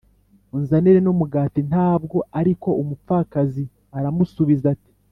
unzanire n umugati ntawo ariko uwo mupfakazi aramusubiza ati